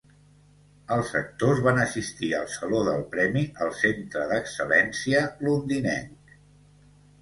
Els actors van assistir al saló del premi al Centre d'Excel·lència londinenc.